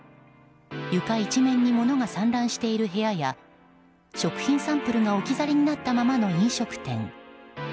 床一面に物が散乱している部屋や食品サンプルが置き去りになったままの飲食店。